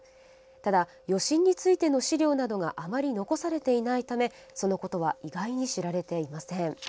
ただ、余震についての資料などがあまり残されていないためそのことは意外に知られていません。